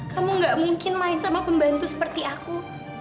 kamu gak mungkin main sama pembantu seperti aku